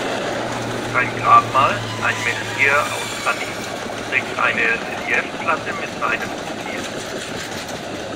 Sein Grabmal, ein Menhir aus Granit, trägt eine Reliefplatte mit seinem Profil.